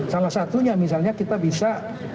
salah satunya misalnya kita bisa